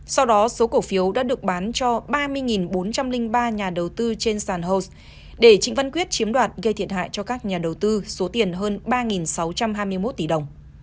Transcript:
sau đó số cổ phiếu đã được bán cho ba mươi bốn trăm linh ba nhà đầu tư trên sàn hots để trịnh văn quyết chiếm đoạt gây thiệt hại cho các nhà đầu tư số tiền hơn ba sáu trăm hai mươi một tỷ đồng